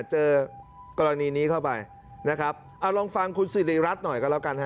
เจอกรณีนี้เข้าไปนะครับเอาลองฟังคุณสิริรัตน์หน่อยก็แล้วกันฮ